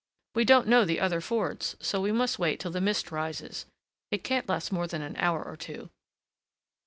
We don't know the other fords. So we must wait till the mist rises; it can't last more than an hour or two.